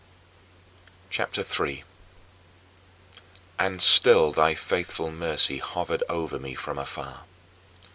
CHAPTER III 5. And still thy faithful mercy hovered over me from afar.